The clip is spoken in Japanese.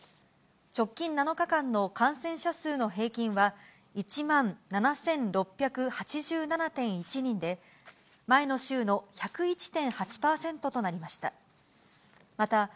直近７日間の感染者数の平均は、１万７６８７．１人で、前の週の１０１．８％となりました。